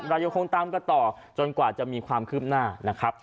เรายังคงตามกันต่อจนกว่าจะมีความคืบหน้านะครับ